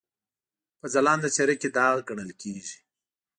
په ځلانده څېره کې داغ ګڼل کېږي.